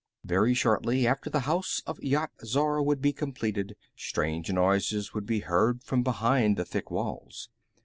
Very shortly after the House of Yat Zar would be completed, strange noises would be heard from behind the thick walls.